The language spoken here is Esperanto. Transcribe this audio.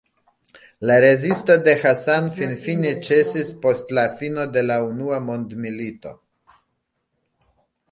La rezisto de Hassan finfine ĉesis post la fino de la Unua Mondmilito.